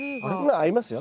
合いますよ。